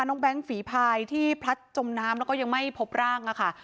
แก๊งฝีพายที่พลัดจมน้ำแล้วก็ยังไม่พบร่างอะค่ะ